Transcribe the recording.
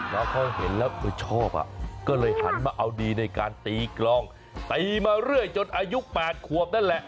น้องเขาเห็นแล้วคือชอบก็เลยหันมาเอาดีในการตีกลองตีมาเรื่อยจนอายุ๘ขวบนั่นแหละ